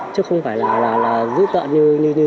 chứ không phải là dữ tợ như